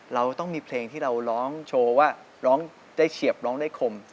เราต้องมีเพลงที่เราร้องโชว์ว่าร้องได้เฉียบร้องได้คม